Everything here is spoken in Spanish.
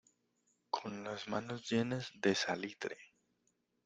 con las manos llenas de salitre.